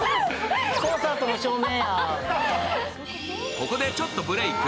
ここで、ちょっとブレーク。